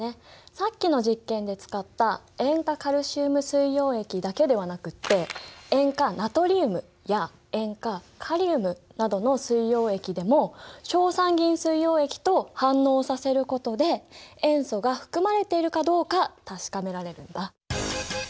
さっきの実験で使った塩化カルシウム水溶液だけではなくって塩化ナトリウムや塩化カリウムなどの水溶液でも硝酸銀水溶液と反応させることで塩素が含まれているかどうか確かめられるんだ。